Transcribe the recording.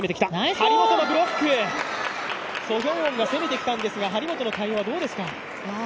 張本のブロック、ソ・ヒョウォンが攻めてきたんですが、張本の対応はどうですか。